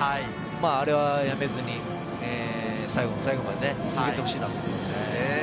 あれはやめずに最後の最後まで続けてほしいと思います。